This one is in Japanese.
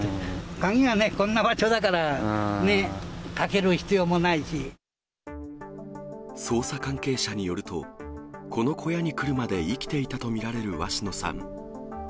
鍵がね、こんな場所だからね、捜査関係者によると、この小屋に来るまで生きていたと見られる鷲野さん。